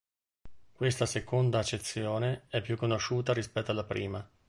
Questa seconda accezione è più conosciuta rispetto alla prima.